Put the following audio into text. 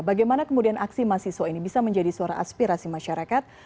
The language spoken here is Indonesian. bagaimana kemudian aksi mahasiswa ini bisa menjadi suara aspirasi masyarakat